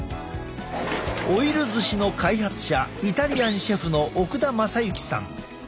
オイル寿司の開発者イタリアンシェフの奥田政行さん。